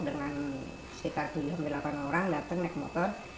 dengan sekitar tujuh delapan orang datang naik motor